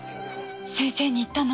「先生に言ったの？